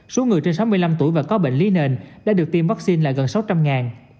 số người trên sáu mươi năm tuổi và có bệnh lý nền đã được tiêm vaccine là gần sáu trăm linh